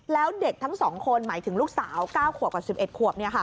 แล้วเด็กทั้ง๒คนหมายถึงลูกสาว๙ขวบกับ๑๑ขวบ